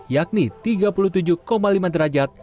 yakni tiga puluh tujuh lima derajat